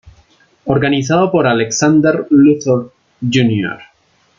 Organizado por Alexander Luthor, Jr.